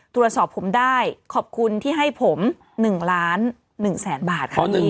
ตรวจสอบผมได้ขอบคุณที่ให้ผม๑ล้าน๑แสนบาทครับพี่